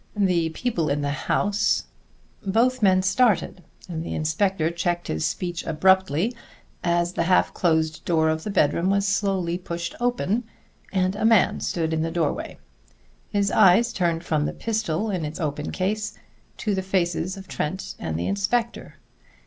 The people in the house " Both men started, and the inspector checked his speech abruptly, as the half closed door of the bedroom was slowly pushed open, and a man stood in the doorway. His eyes turned from the pistol in its open case to the faces of Trent and the inspector.